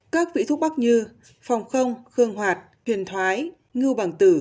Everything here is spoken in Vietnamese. các vị thuốc bắc như phòng không khương hoạt huyền thoái ngư bằng tử